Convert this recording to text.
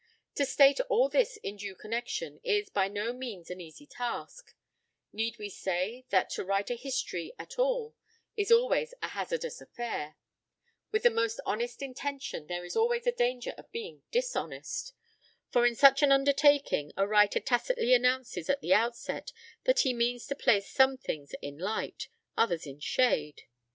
To state all this in due connexion is by no means an easy task; need we say that to write a history at all is always a hazardous affair; with the most honest intention there is always a danger of being dishonest; for in such an undertaking, a writer tacitly announces at the outset that he means to place some things in light, others in shade.